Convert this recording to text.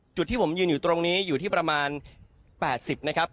จุดที่ผมยืนอยู่ตรงนี้อยู่ที่ประมาณ๘๐นะครับ